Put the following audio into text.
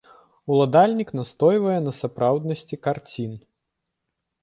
Уладальнік настойвае на сапраўднасці карцін.